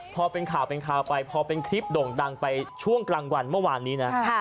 พอเป็นข่าวเป็นข่าวไปพอเป็นคลิปโด่งดังไปช่วงกลางวันเมื่อวานนี้นะ